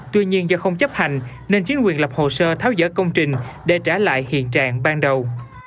tuy nhiên do không chấp hành nên chính quyền lập hồ sơ tháo dỡ công trình để trả lại hiện trạng ban đầu